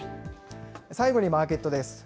最後にマーケットです。